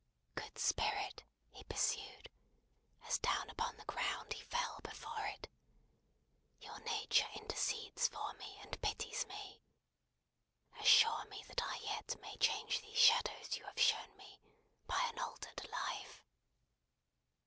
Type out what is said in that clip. "Good Spirit," he pursued, as down upon the ground he fell before it: "Your nature intercedes for me, and pities me. Assure me that I yet may change these shadows you have shown me, by an altered life!"